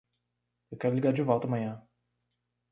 Eu quero ligar de volta amanhã.